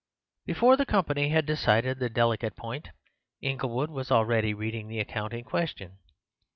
Before the company had decided the delicate point Inglewood was already reading the account in question.